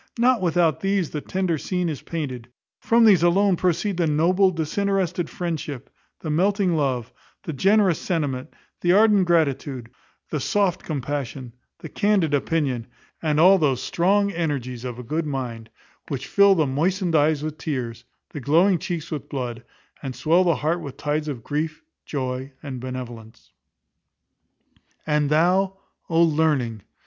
Not without these the tender scene is painted. From these alone proceed the noble, disinterested friendship, the melting love, the generous sentiment, the ardent gratitude, the soft compassion, the candid opinion; and all those strong energies of a good mind, which fill the moistened eyes with tears, the glowing cheeks with blood, and swell the heart with tides of grief, joy, and benevolence. And thou, O Learning!